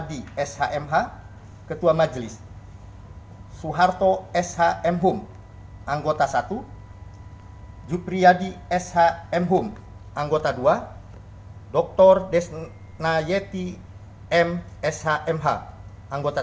hadapun majis hakim dalam tingkat kasasi yaitu dr haji suhadi shmh ketua majelis suharto shmh anggota satu jupriyadi shmh anggota dua dan jepun suharto shmh anggota tiga